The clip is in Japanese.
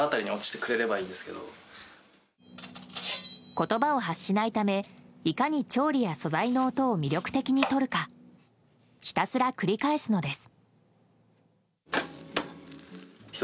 言葉を発しないためいかに調理や素材の音を魅力的に撮るかひたすら繰り返すのです。